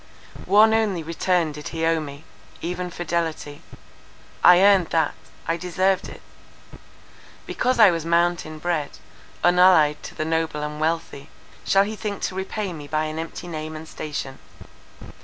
One only return did he owe me, even fidelity. I earned that; I deserved it. Because I was mountain bred, unallied to the noble and wealthy, shall he think to repay me by an empty name and station?